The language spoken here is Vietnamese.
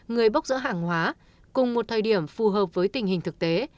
người bốc dỡ hàng hóa cùng một thời điểm phù hợp với tình hình thực tế